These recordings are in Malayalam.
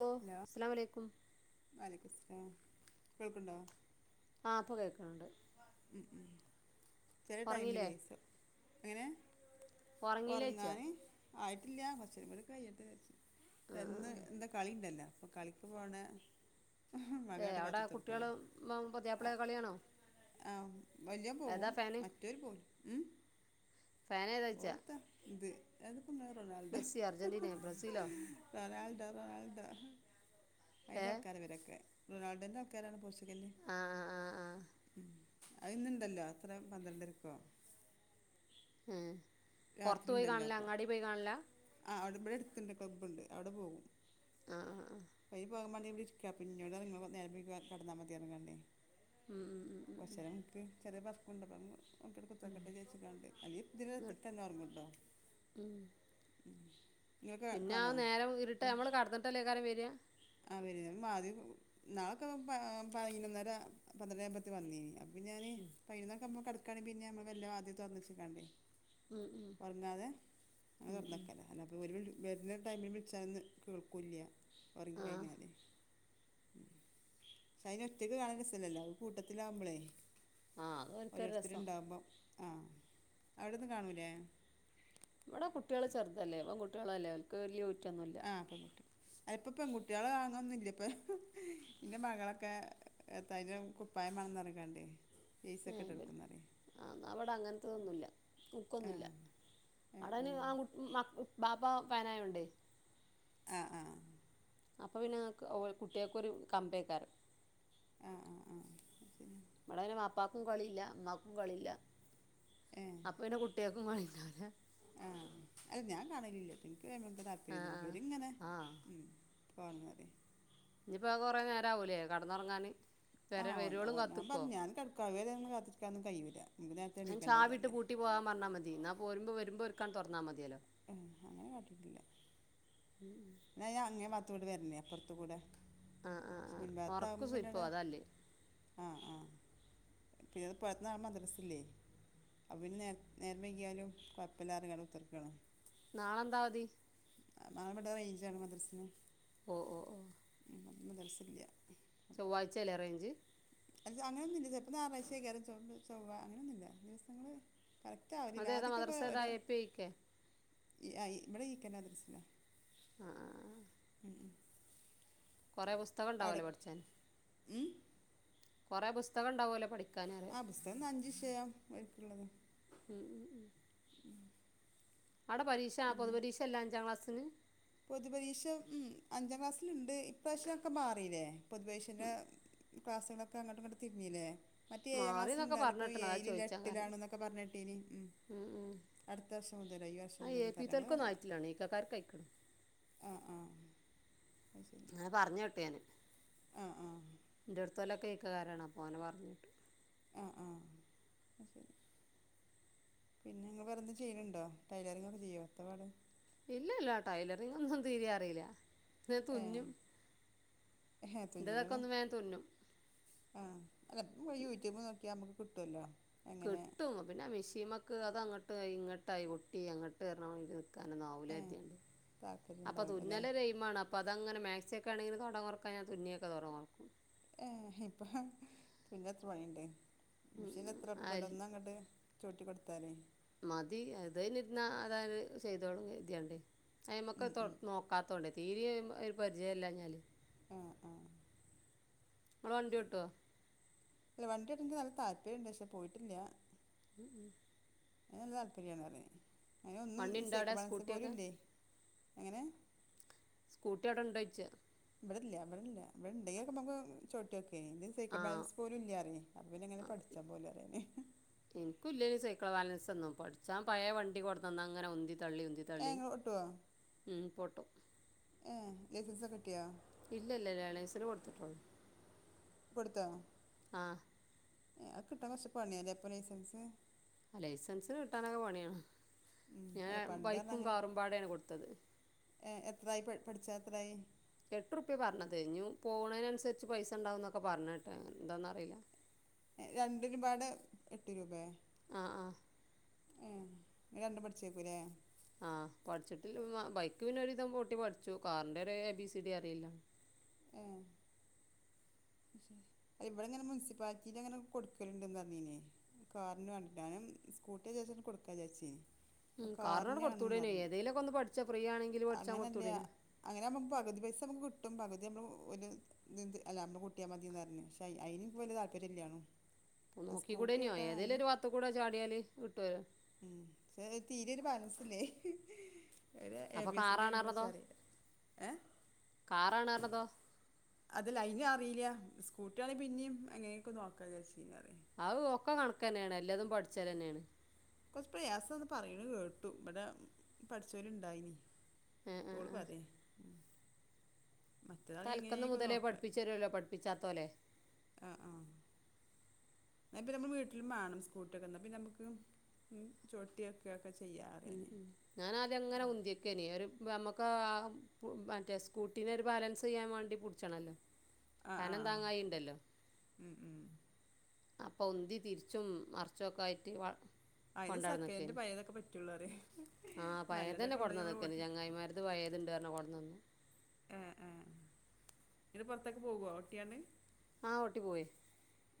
ഹലോ അസലാമു അലൈക്കും വ അലൈക്കും മുസല്ലാം കേൾക്കുന്നുണ്ടോ ആഹ് ഇപ്പോ കേൾക്കുന്നുണ്ട് ഉം ഉം ചില ഉറങ്ങിയില്ലേ ടൈമിലേ എങ്ങനെ ഉറങ്ങിയില്ലേ ചോദിച്ചാ ഒറ്ങ്ങാന് ആയിട്ടില്ല കൊറ്ച്ചേരം കൂടികഴിയട്ടെ ചാര്ച്ച് ആ എന്ന് ആ ഇന്താ കളി ഇണ്ടല്ലോ അപ്പൊ കളിക്ക് പോണ എ മകനായിട്ട് അവിടെ കാത്തുത്തർക്കാണ് കുട്ട്യേളു പുതിയാപ്പിളെ ഒക്കെകളി കാണോ ആഹ് വല്യോൻപോകും മറ്റോല് പോവുലാ ഫാൻ ഏതാ ചോദിച്ചാ ഓലെത്താ ഇത് അത് ഇങ്ങളെ റൊണാൽഡോ മെസ്സി അർജൻറ്റീന ബ്രസീലോ റൊണാൾഡോ റൊണാൾഡോ അതിൻറെ ഏ ആൾക്കാരെ ഇവരൊക്കെ റൊണാൾഡോൻ്റെ ആൾക്കാരാണ് പോർച്ച് ആഹ് ആഹ് ആഹ് ആഹ് അത് ഇന്ന്ണ്ടല്ലോ എത്ര പന്ത്രണ്ടരെക്കോ ആഹ് പൊറ്ത്ത് പോയി കാണല അങ്ങാടി പോയി കാണല്ല ആഹ് ഇബ്ടെ അടുത്ത്ണ്ട്. ക്ലബ്ബ്ണ്ട് അവിടെ പോകും ആ ആ ആ അയ്ന്പോകാൻ മാണ്ടി ഇബടെ ഇരി ക്ക്യ പിന്നോട് ഇങ്ങള് നേരം വൈകി [unintelligible] കെടന്നാ മതി അറ്ന്ന്ക്കാണ്ടേ ഉം ഉം ഉം, ഉം, ഉം. കൊറ്ച്ചേരം ഇൻക്ക് ചെറ്യേ വർക്കുണ്ട് [unintelligible] ഇപ്പ [unintelligible] കുത്തർക്കട്ടെ ചാര്ച്ച്ക്കാണ്ട് [unintelligible] എന്നിട്ട് ഒറ്ങ്ങുണ്ടൊ ഉം പിന്നെ ആ നേരം വിര്ട്ട് അമ്മള് കടന്ന്ട്ടെല്ലേക്കാരം വര. ആഹ് വരും വാതി കു ഇന്നാളൊക്കെ പൈ പൈനൊന്നര പന്ത്രണ്ടെ അയ്മ്പത്തി വന്നീനി ഇപ്പം ഞാനെ പൈനൊന്നക്കാവുമ്പോ കെട്‌ക്കാണെ പിന്നെ അമ്മള് വെല്ല വാതില് തൊർന്നെച്ച്കാണ്ടെ ഉം, ഉം, ഒർങ്ങാതെ അ ഉം, ഉം. തൊറ്ന്നക്കല. അല്ലാപ്പോ ഓര് വെര്ണ ടൈമില് വിളിച്ചാന്ന് കേൾക്കൂല്ല്യ ആ ഒർങ്ങിക്കയിഞ്ഞാലേ ഉം ഫൈയിന് ഒറ്റക്ക് കാണാൻ രസല്ലല്ലോ, അഹ് കൂട്ടത്തിലാവുമ്പളേ ആ അത് ഓർക്കൊരു ഓരോരുത്തര് രസം ഇണ്ടാവുമ്പം ആഹ് അവ്ടൊന്നും കാണൂലേ ഇവടെ കുട്ട്യേൾ ചെർതല്ലേ. പെങ്കുട്ട്യേളെല്ലെ ഓൽക്ക് വല്ല്യ ഊറ്റൊന്നുൽ ആഹ്പ്പം പെൺകുട്ട്യേളാവാന്നന്നില്ലപ്പഹ് ഇന്റെ മകളൊക്കെ എത്തായിന് കുപ്പായം മാണന്നറിഞ്കാണ്ടെ ഏഹ് ബെൽ ആ ന്നാ ഇബടെ അങ്ങൻത്തൊതുന്നൂല്ല ആ ഊക്കൊന്നുല്ല അവിടയ്ന് ആ കുൺ മാ ബ് ബാപ്പ ഫാനായോണ്ടെ ആഹ് അഹ് അപ്പ പിന്നെ ക്ക് ഓൽ കുട്ട്യേക്കൊരു കമ്പേക്കാരം ആഹ് ആഹ് ആഹ് [unintelligible] ഇബടെ അയ്ന് വാപ്പാക്കും കളി ഇല്ല ഇമ്മാക്കും കളില്ല. അപ്പ പിന്നെ കുട്ട്യേൾക്കും മളിണ്ടാവൂല ആഹ് അഹ് ഞാൻ കാണലില്ല ട്ടോ ഇന്ക് അയ്മ [unintelligible] ആ ആ താല്പര്യൊന്നുല്ല ഇവര്ങ്ങനെ ആ ഉം കാണ്വാലെ ഇഞ്പ്പോ കൊറേ നേരാവൂലെ കട്‌ന്നൊർങ്ങാൻ. വരെ വരോളും കാത്ത്ക്കോ ക്ക ഇവരെന്നും കാത്തിരിക്കാനൊന്നും കൈയ്യൂല അയ്ൻ ചാവിട്ട് പൂട്ടി പോവാം പറ്ഞ്ഞാ മതി. ന്ന പോരുമ്പോ വരുമ്പോ ഓര്ക്കാണ്ട് തൊറ്ന്നാ മതിയെലൊ ഉം അങ്ങനെ കാട്ടീട്ടില്ല ന്നാ ഞാ അങ്ങേ പാത്തൂടെ വര്നെ അപ്പൊർത്തു കൂടെ ആഹ് ആഹ് ആഹ് ഒർക്ക് മുൻഭാഗത്താകുമ്പോ പിന്നെ അവിടെ സുയ്പ്പാവും അതാല്ലേ പിയത് പത് നാ മദ്റസ് ഇല്ലേ അപ്പ് പിൻ നേര് നേരം വെയ്ക്യാലും കൊയപ്പല്ലാറ്ഞ്കാണ്ട് കുത്തർക്കാണ് നാളെ എന്താ അവധി നാളെ ഇവിടെ റൈഞ്ചാണ് മദർസിന് ഒഹ് ഒഹ്ഓഹ് മദർസ് ഇല്ല്യ ചൊവ്വാഴ്ചേലെ റൈഞ്ച് അല്ല അങ്ങനൊന്നുല്ല. ചെൽപ്പം ഞാറാഴ്ച്ചേയ്ക്കാരം ചൊവ് ചൊവ്വ അങ്ങനൊന്നുല്ല ദിവസങ്ങള് കറക്റ്റ് ആവലില്ല അതേതാ ആദിക്കൊക്കെ മദ്രസ ഏതാ ഒരു എ പി ഐക്ക് ഈ അ ഇ ഇവടെ ഈക്കന്റമദർസിലാ ആഹ് ഉം കൊറേ പുസ്തകം ഇണ്ടാവല്ലോ പട്‌ച്ചാന് ഉം കൊറേ പുസ്തകണ്ടാവല്ലോ പഠിക്കാന് ആ പുസ്തകം ന്ന് അഞ്ചിഷയം ഓര്ക്ക്ള്ളത് ഉം അടെ പരീക്ഷാ പൊതു പിന്നെ പരീക്ഷല്ല അഞ്ചാം ക്ലാസ്സിന് പൊതുപരീക്ഷ ഉം അഞ്ചാം ക്ലാസ്സ്ല്ണ്ട് ഇപ്രാവശ്യൊക്കെ മാറീല്ലേ പൊതുപരീക്ഷന്റെ ക്ലാസ്കളൊക്കെ അങ്ങട്ടും ഇങ്ങട്ടും തിര്ഞിലെ മറ്റേ ഏയാം മാറി എന്നൊക്കെ ക്ലാസ്സില്ണ്ടാല ഇപ്പം പറഞ്ഞിട്ടുണ്ട് അതാ ഏയിലില്ല ചോദിച്ചാൽ കാരണം എട്ടിലാണ്ന്നൊക്കെ പറഞ്ഞെ ഹ് ട്ടീനി ഉം അട്‌ത്തർഷം മുതലാ ഈ ആ വർഷം മുതൽ എ പി [unintelligible] തോൽക്കൊന്നും ഒന്നാ ആയിട്ടില്ലാണ് ഈക്കക്കാർക്ക് അയക്കണം അത് ശരി പർഞ്ഞ് വിട്ട് ഞാന് ആ ആ ന്റോട്‌ത്തോലൊക്കെ ഇക്ക കാരാണം ഓനെ പറഞ്ഞ് വിട്ട് ആ ആഹ് അഹ് ശരി പിന്നെ ഇങ്ങൾ വേറെന്തെങ്കിലും ചെയ്യ്ണ് ണ്ടോ ടൈലറിങ് ഒക്കെ ചെയ്യോ എത്താ പാട് ഇല്ലല്ല ടൈലെറിങ് ഒന്നും തീരേ അറീല്ല ന്നെ തുന്നും. എഹേ എൻ്റെതൊക്കെ തുന്നലളാ ഒന്ന് വേഗം തുന്നും ആഹ് അല്ലയിപ്പ യൂട്യൂബ് നോക്കിയാ നമ്മെക്ക് കിട്ടൊല്ലോ. കിട്ടും പിന്നെ മീഷീമക്ക് അത് അങ്ങട്ട് ഇങ്ങട്ടായി പൊട്ടി അങ്ങട്ട് പർണമാരി കാരണം ന്നാവൂല ഏ കര്ത്യാണ്ട് താല്പര്യം അപ്പം ഉണ്ടാവില്ല അല്ലേ തുന്നല് ഒരെയ്മാണ് അ പ്പ അതങ്ങനെ മാക്സിയൊക്കെ ആണെങ്കില് തൊടം കൊറക്കാൻ ഞാൻ തുന്നിയൊക്കെ തൊടം കൊറക്കും. ഏ ഇപ്പ തുന്നാൻ എത്ര പണിണ്ട് മെഷീനെത്ര എള്പ്പണ്ട് അതിൽ ഒന്നങ്ങട്ട്. ചൗട്ടി കൊട്ത്താലെ മതി അതേലിരുന്നാ അതാര് ചെയ്തോളും കര്തിയാണ്ടേ. അയ്മ്മക്ക് ഉം, തൊ ഉം. നോക്കാതോണ്ട് തീരിം ഒര് പരിചയല്ലാഞ്ഞ്യാല്. ആഹ് ആഹ് ഇങ്ങള് വണ്ടി ഓട്ടോ അല്ല വണ്ടി ഓട്ടാൻ ഇൻക്ക് നല്ല താല്പര്യണ്ട്. പക്ഷെ പോയിട്ടില്ല. ഉം ഉം അയ്ന് നല്ല താല്പര്യാണ് പറഞ്ഞിനി അയ്നൊന്നും വണ്ടി ഉണ്ടോ അവിടെ സൈക്കിൾ ബാലൻസ് സ്കൂട്ടിയൊക്കെ പോലുല്ലേ. എങ്ങനെ? സ്കൂട്ടി അടെ ഉണ്ടോയ്ച്ച ഇവെടല്ല ഇവെടല്ല ഇവടെണ്ടേ പ്പംമ്മക്ക് ചൗട്ട്യോക്കേനി ഇതിന് ആ സൈക്കിൾ ബാലൻസ് പോലുല്ലാർഞ്ഞ്. അപ്പ പിന്നെങ്ങനെ പഠിച്ചാ പോലും അറിയാനേ. ഇൻക്കുല്ലേനി സൈക്കിൾ ബാലൻസൊന്നും പഠിച്ചാൻ പയേ വണ്ടി കൊട്ന്നെന്നങ്ങനെ ഉന്തി തള്ളി ഉന്തി ഏ തള്ളി ഇങ്ങളോട്ടോ. പൊട്ടും ഏഹ് ലൈസെൻസൊക്കെ കിട്ടിയോ? ഇല്ലല്ല ലേണേയ്സിന് കൊട്ത്ത്ട്ടൊളളൂ. കൊട്ത്തോ? ആഹ് അത് കിട്ടാൻ കൊറച്ച് പണിയാലേ ഇപ്പം ലൈസൻസ് ലൈസൻസ് കിട്ടാനൊക്കെ പണിയാണ്. ഉം, അല്ല ഞാൻ പണ്ട് ബൈക്കും കാറും പാടെയാണ് കൊട്ത്തത് ഏ എത്രായി പട് പഠിച്ചാ എത്രായി? എട്ടുറുപ്പ്യ പറഞ്ഞത് ഇഞ്ഞു പോണേനൻസരിച്ച് പൈസ ഇണ്ടാവും ന്നൊക്കെ പറഞ്ഞേട്ട് എന്താന്നറിയില്ല. രണ്ടിനും പാടെ എട്ട് രൂപേ. ആഹ് ആഹ് ഏഹ് അത് രണ്ടും പഠിച്ചേക്കൂല്ലേ. ആഹ് പഠിച്ചിട്ടിൽ ബൈക്ക് പിന്നെ ഒര് വിധം ഓട്ടി പഠ്ച്ചു. കാറിന്റെയൊരു എ ബി സി ഡി അറിയില്ല. ഏഹ് ഇവെടെങ്ങനെ മുനിസിപ്പാലിറ്റിലങ്ങനെ കൊടുക്കല്ണ്ട്ന്ന് പറഞ്ഞീനേ. കാറിന് വേണ്ടിട്ട് ഞാനും സ്കൂട്ടിയാ ചാരിച്ചാട്ട് കൊട്ക്കാ വിചാര്ച്ചീനി ഉം കാറിനട് കൊട്ത്ത് കൂടേന്യോ ഏതേലൊക്കൊന്ന് പഠിച്ചാ ഫ്രീയാണെങ്കില് പഠിച്ചാൻ കൊട്ത്തൂടേന്യോ അങ്ങനെയാമ്പം പകുതി പൈസ നമ്മെക്ക് കിട്ടും. പകുതി നമ്മെളൊരു അല്ല നമ്മെള്. കിട്ടിയ മതീന്ന് പറഞ്ഞു. ഷയ് അയിനിൻക്ക്പ്പോ വെല്യാ താല്പര്യമില്ലാണും നോക്കിക്കുടെനെയോ ഏതേലും ഒരുവാത്തുകൂടേ ചാടിയാല് കിട്ടുവോ? ഉം തീരെ ഒര് ബാലൻസ് ഇല്ലെ ഏവെടെ എ അപ്പോൾ ബി സി ഡിടെ കാറാണ് ഐയൂസും അറിയാ. ഏ കാറാണോപറഞ്ഞതോ അത് ലൈന അറിയില്ല. സ്കൂട്ടിയാണെങ്കി പിന്നെയും എങ്ങനെയൊക്കെ നോക്കാം വിചാരിച്ചിനറിയ അഹ് ഓക്കൊ കണക്കന്നെയാണ്. എല്ലാതും പഠിച്ചാല് തന്നെയാണ്. കൊറച്ച് പ്രയാസാന്ന് പറയ്ണെ കേട്ടു. ഇബടെ പഠിച്ചോല് ണ്ടായിനി. ആഹ് ആഹ് ഇപ്പോൾ ആഹ് പറയ്. തൽക്കെന്ന് മുതലേ പഠിപ്പിച്ചുത്തെരുല്ലോ പഠിപ്പിച്ചാത്തോലെ. അയിന് ഇപ്പൊ നമ്മളെ വീട്ടിലും വേണം സ്കൂട്ടിയൊക്കെ. എന്നാ പിന്നെ നമ്മെക്ക് ഉം ചൊട്ടിയൊക്കെക്കെ ഉം ചെയ്യാറൈനി ഉം ഞാനാദ്യം അങ്ങെനെ ഉന്ത്യേക്കെനെ. ഒര് നമ്മെക്ക് മറ്റേ സ്കൂട്ടീനേരു ബാലൻസ് ചെയ്യാൻ വേണ്ടി കൊടു ച്ചണല്ലോ ആഹ് കനം ആഹ് താങ്ങായിണ്ടല്ലോ. ഉം ഉം അപ്പൊ ഉന്തി തിരിച്ചും മറച്ചുംക്കെ ആയിട്ട് അയിന് സെക്കൻഡ് കൊണ്ടാടനക്കനി പഴയതൊക്കെ പറ്റുള്ളൂ പറയ ആ പഴയ നല്ലതൊക്കെ തന്നെ കൊണ്ടോയി നമ്മള് കൊടന്നന്നക്കെനി ഓട്ടി ചങ്ങായിമാര് അത് പഴയത് ഉണ്ട്ന്ന് പറഞ്ഞു കൊണ്ടന്നാന്നു ഏഹ് ഏഹ് ഇവടെ പുറത്തേക്ക് പോവുവോ ഓട്ടിയണ്ട് ആഹ് ഒട്ടിപോവേ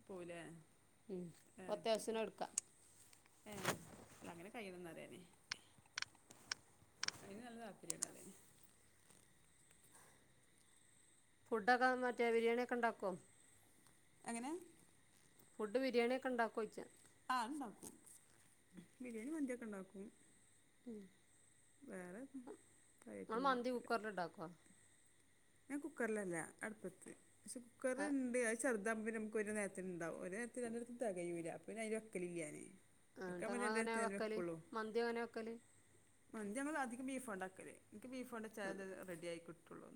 പോലേ ആഹ് ശരി അത്യാവശ്യത്തിന് എടുക്കാം ഏഹ് അല്ല അങ്ങനെ കയ്യിൽന്നറിയേനി അയിന് നല്ല താല്പര്യമാണ് പറയേനി ഫുഡ്ക്കെ മറ്റെ ബിരിയാണി ഒക്കെ ഉണ്ടാക്കോ എങ്ങനെ ഫുഡ് ബിയാണി ഒക്കെ ണ്ടാക്കോ ആഹ് ഉണ്ടാക്കും ബിരിയാണി മന്തിയൊക്കെ ഉണ്ടാക്കും ഉം വേറെ നിങ്ങൾ കാര്യമായിട്ടൊന്നും മന്തി ഉണ്ടാക്കില്ല കുക്കറിൽ ഉണ്ടാക്കോ ഞാൻ കുക്കറിലല്ല അടുപ്പത്ത് പക്ഷെ കുക്കർണ്ട് ചെറുതാകുമ്പോ നമുക്ക് ഒരു നേരത്തിനുഉണ്ടാകോ ഒരു നേര രണ്ട് നേരത്ത്ന് തികയൂല അപ്പൊ അയില് വക്കലില്ല ഞാൻ ആഹ് വെക്കാൻ ന്നട്ട് വേണ്ടി ഇങ്ങൾ രണ്ടു എങ്ങനെ നേരത്തിനല്ലേ വെക്കല് വെക്കുള്ളൂ മന്തി അങ്ങനെ വെക്കല് മന്തി ഞങ്ങളധികം ബീഫ്ണ്ടാക്കല്ല് എനിക്ക് ബീഫ്ണ്ട ചൽത് റെഡി ആയികിട്ടുള്ളു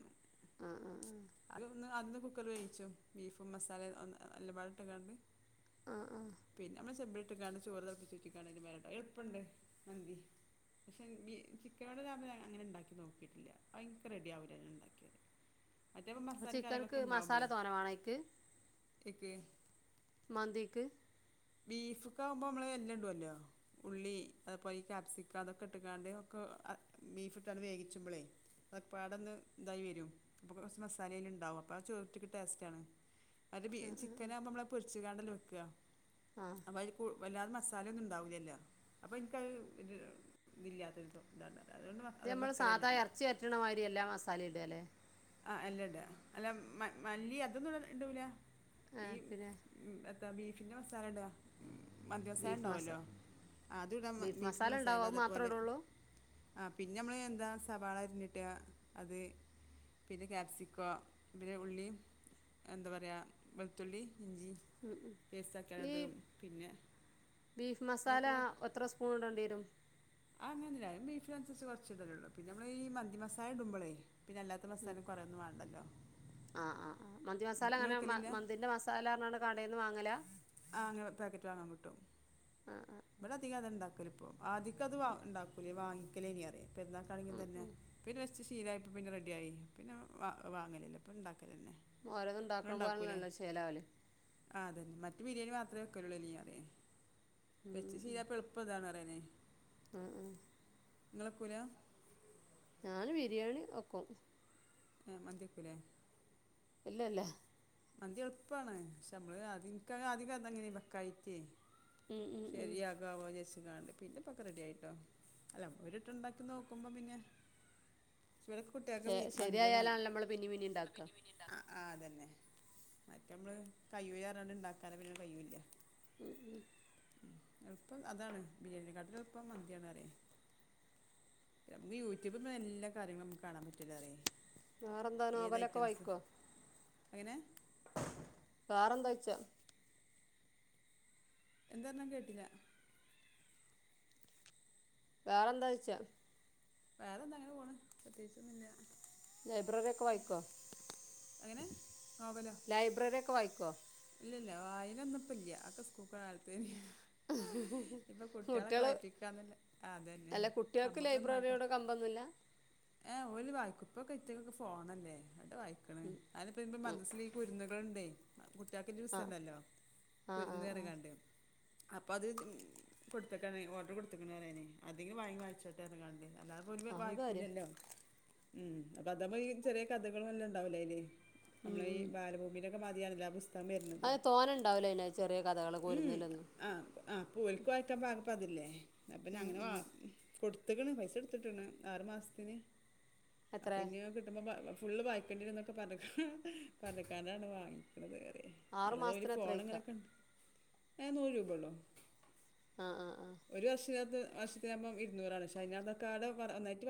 ഉം ഉം ഉം അത് ഒന്ന് അന്ന് കുക്കർ വേവിച്ചോ ബീഫും മസാല എല്ലമ്പാടാ ഇട്ട്ക്കാണ്ട് ആഹ് ആഹ് പിന്നെ നമ്മള് ചെമ്പിലിട്ട്കാണ്ട് ചോറ് തിളപ്പിച്ച്‌ഊറ്റി കാണ്ട് അയിന്റെ മേലെ ഇട്ട് കാണ്ട് അത് എളുപ്പണ്ട് മന്തി പക്ഷേ ചിക്കനോട്ഞം അങ്ങനെ ഉണ്ടാക്കി നോക്കിയിട്ടില്ല അത് ഇൻക് റെഡി ആവൂല ഞാൻ ഉണ്ടാക്കിയാൽ അപ്പ ചിക്കൻക്ക് മസാല ഇണ്ടാവുമ്പളേ തോന വേണം ആയിക്ക് ഇക്ക് മന്തിക്ക് ബീഫ് ഒക്ക ആവുമ്പോ നമ്മള് എല്ലാം ഇടോലോ ഉള്ളി അത്പോലെ ഈ കാക്യാപ്സിക്ക അതൊക്കെ ഇട്ടക്കാണ്ട് ഒക്ക ബീഫ് ഇട്ടാണ് വേഗിച്ചുമ്പോലെ അതൊപ്പാടൊന്ന് ഇതായി വരും അപ്പൊ കുറച്ച മസാലെല്ലും ഉണ്ടാവും അപ്പൊത് ചോറ്റിക്ക് ടേസ്റ്റ് ആണ് ആഹ് ചിക്കന് ആകുമോ നമ്മളെ പൊരിച്ച് കാണ്ടല്ലേ വെക്കുവ ആഹ് അപ്പോൾ അതി വല്ലാതെ മസാലയൊന്നും ഉണ്ടാവില്ലല്ലോ അപ്പോൾ എനക്ക്ത് ഇതില്ലാത്തരു ഇന്താണ്ട ഇത് നമ്മൾ സാധാ ഇറച്ചി വരട്ട്ണമാതിരി എല്ലാ മസാല ഇടാല്ലേ ആഹ് എല്ലാം ഇടാ അല്ല മ മല്ലി അതൊന്നും ഇടൂല ആ ഈ പിന്നെ എത്താ ഈ ബീഫിൻ്റെ മസാല ഇടാ മന്തി മസാല ഉണ്ടാവല്ലോ അത് ഇട ബീഫ് ബീഫിന്റെ മസാല ഉണ്ടാവും അത് മാത്രമേ അതേപോലെ ഇടുള്ളൂ ആഹ് പിന്നെ നമ്മള് എന്താ സവാള അരിഞ്ഞിട്ട് അത് പിന്നെ ക്യാപ്സിക്കോ പിന്നെ ഉള്ളി എന്താ പറയുക വെളുത്തുള്ളി ഇഞ്ചി പേസ്റ്റ് ഈ ആക്കിഇടും പിന്നെ ബീഫ് മസാല അതൊക്കെ പാട്ട് എത്ര സ്പൂൺ ഇടെണ്ടി വെരും അത് അങ്ങനൊന്നുല്ല ഞാൻ ബീഫിനനുസരിച്ച് കുറച്ച് ഇടലൊള്ളൂ പിന്നെ ഞമ്മളീ ഈ മന്തി മസാല ഇടുമ്പളെ പിന്നെ അല്ലാത്ത മസാലേം കൊറെ ഒന്നും വേണ്ടല്ലോ ആഹ് ആഹ് ആഹ് മന്തി ഉം, മസാല നിങ്ങൾ അങ്ങനെ വെക്കലില്ല മന്തിൻ്റെ മസാല ന്ന് പറഞ്ഞാണ്ട് കടേന്ന് വാങ്ങലാ ആഹ് അങ്ങനെ പാക്കറ്റ് വാങ്ങാൻ കിട്ടും ആ ആ ഇവിടെ അധികം അതാ ഉണ്ടാക്ക ല് ഇപ്പോ ആദ്യക്കെ അത് ഉണ്ടാക്കൂലേ വാങ്ങിക്കലേനി പറയും പെരുന്നാള്ക്കാണെങ്കി ഉം, തന്നെ ഉം. പിന്നെ ച്ച് ശീലമായപ്പോ പിന്നെ റെഡി ആയി പിന്നെ വാങ്ങലില്ല ഇപ്പ ഇണ്ടാക്കലെന്നെ ഓരോന്നും ഇണ്ടാക്കണം പോലെന്നെ ചേലാവല് ആഹ് അതെന്നെ മറ്റ് ബിരിയാണി മാത്രേ വെക്കല്ലൂള്ളൂ അല്ലേറീയെ വെച്ച് ശീലായപ്പോ എളു പ്പം ഇതാണ് പറനെ ഉം ഉം ഇങ്ങള് വെക്കൂലാ ഞാന് ബിരിയാണി വെക്കും എഹ്‌ മന്തിവെക്കൂലേ ഇല്ല ഇല്ല മന്തി എളുപ്പാണ് പക്ഷേ നമ്മള് ആദ്യം ഇൻക് ഒക്കെ ആദ്യക്കെ അങ്ങനെന്ന് വെക്കാഞ്ഞിട്ടേ ഉം ഉം ഉം ശരിയാകാവോന്ന് വിചാരിച്ച്ങ്ങാണ്ട് പിന്നെ ഇപ്പോ ഒക്കെ റെഡിയായീട്ടോ അല്ല നമ്മള് ഒര് വട്ടംണ്ട് ഇണ്ടാക്കി നോക്കുമ്പോപിന്നെ പക്ഷേ ഇവിടെ ഒക്കെ കുട്ട്യാക്ക്‌ ശെ മീ മന്ത്യാ മാ ശരിയായാലാണല്ലോ നമ്മള് പിന്നിം പിന്നിം ഇണ്ടാക്കാ ആഹ് അതെന്നെ മറ്റേ നമ്മള് കൈയ്യൂലാ പറഞ്ഞാണ്ട് ഇണ്ടാക്കാൻ പിന്നെ കയ്യുല്ല്യ ഉം ഉം എളുപ്പം അതാണ് ബിരിയാണിനേക്കാട്ടിലും എളുപ്പം മന്ത്യാണ് പറയെ നമുക്കു യുട്യൂബിലിപ്പം എല്ലാകാര്യങ്ങളും നമുക്കു കാണാൻ പറ്റുല്ലോ പറയെ വേറെന്താ ഏത് നോവലൊക്കെ ഐറ്റംസ് വായിക്കോ എങ്ങനെ വേറെന്താ ചോയ്ച്ച എന്താ പറഞ്ഞ് ഞാൻ കേട്ടില വേറെന്താ ചോയ്ച്ചാ വേറെന്താ അങ്ങനെ പോണു പ്രത്യേകിച്ചൊന്നും ഇല്ല ലൈബ്രറിയൊക്കെ വായിക്കുവോ അങ്ങനെ ലൈബ്രറിയൊക്കെ വായിക്കുവോ ഇല്ല്യ ഇല്ല വായനൊന്നും ഇപ്പല്ല അതൊക്കെ സ്കൂൾക്ക്‌ പോണ കാലത്ത് ഇപ്പൊ കുട്ട്യാളൊക്കെ കുട്ട്യാള് വായിപ്പിക്കാന്നല്ലേ ആഹ് അതെന്നെ അല്ല കുട്ട്യാൾക്ക് നമുക്കൊന്നും വായിക്ക ലൈബ്രറിയോട് കമ്പൊന്നുല്ല ഏഹ് ഓല് വായിക്കും ഇപ്പൊക്കെ ഇറ്റിങ്ങക്ക്‌ ഫോണല്ലേ എവ്ടെ വായിക്ക്‌ണ് ഉം അതെന്നെ ഇപ്പം ഈ ഉം മദ്രസയില് ഈ കുരുന്നുകളുണ്ടേ പുസ്തകം ആ ഇണ്ടല്ലോ ആ ആ കുരുന്ന് പറഞ്ഞ്ങ്ങാണ്ട് ആ അപ്പ അത്‌ കൊടുത്തേക്കാണ് ഓർഡറു കൊടുത്തേക്കിണ് പറയാ ഞാൻ അതെങ്കിലും വാങ്ങി വായിച്ചോട്ടേ പറഞ്ഞ്ങ്ങാണ്ട് അല്ലാതെ ഓരിപ്പൊ അത് കാര്യാ വായിക്കൂലല്ലോ ഉം അപ്പൊ അത്‌മ്മെ ഈ ചെറിയകഥകളെല്ലം ഉണ്ടാവില്ലേ അയില് ഉം നമ്മളെ ഈ ബാലഭൂമിയിലൊക്കെ മാതിയാണല്ലോ ആ പുസ്തം അതു തോനെ ഉണ്ടാവുല്ല അയിന് ചെറിയ കഥകള് ഉം കുരുന്നിലൊന്നും ആഹ് ആഹ് ഇപ്പൊ ഓല്ക്കു വായിക്കാൻ പാകം ഇപ്പം അതല്ലേ ന്നാ പിന്നെ ഉം അങ്ങനെ വാ ഉം കൊടുത്ത്ക്ക്ണ് പൈസ കൊടുത്തിട്ട്ണ് ആറു മാസത്തിന് അപ്പൊ എത്രേ ഇനി അത്‌ കിട്ടുമ്പോ ഫുള്ള് വായി [inaudible] പറഞ്ഞ്ക്കാണ്ടാണ് വാങ്ങിക്ക്‌ണത് ആറ് അല്ലാതെയൊരു മാസത്തിന് എത്രേയ്ക്കാ ഫോണിങ്ങനെയൊക്കെണ്ട് ഏഹ് നൂറുരൂപ ഉള്ളൂ ആഹ് ആ ആഹ് ഒരു വർഷത്തിനകത്ത് വർഷത്തിനാമ്പൊ ഇരുന്നൂറാണ് പക്ഷേ അതിനകത്താക്കാലം ഒന്നായിട്ട്